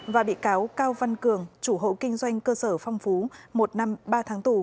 và bị cáo cao văn cường chủ hộ kinh doanh cơ sở phong phú một năm ba tháng tù